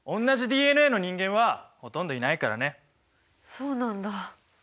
そうなんだ。